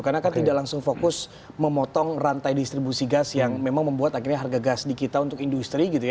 karena kan tidak langsung fokus memotong rantai distribusi gas yang memang membuat akhirnya harga gas di kita untuk industri gitu ya